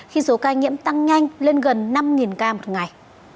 khi số ca nhiễm tăng nhanh lên gần năm ca một ngày